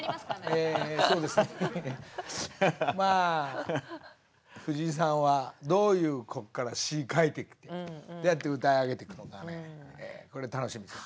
まあ藤井さんはどういうこっから詞書いていってどうやって歌い上げていくのかねこれ楽しみです。